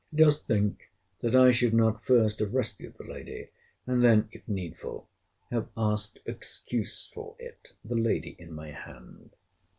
Dost think, that I should not first have rescued the lady, and then, if needful, have asked excuse for it, the lady in my hand?